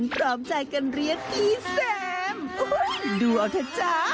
จ๊ะแจ๊ะริมจ๋อ